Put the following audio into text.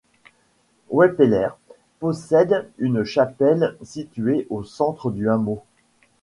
Weppeler possède une chapelle située au centre du hameau.